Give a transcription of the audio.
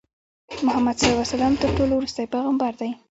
محمدﷺ تر ټولو ورستی پیغمبر دی.